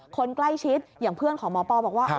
คนใกล้ชิดอย่างเพื่อนของหมอปอบอกว่า